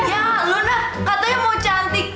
ya lo nah katanya mau cantik